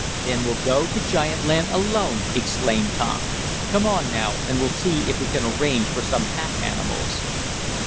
"Then we'll go to giant land alone!" exclaimed Tom. "Come on, now, and we'll see if we can arrange for some pack animals."